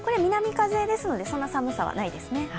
南風ですのでそんなに寒さはないですね。